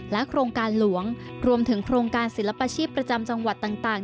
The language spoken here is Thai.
โครงการหลวงรวมถึงโครงการศิลปชีพประจำจังหวัดต่าง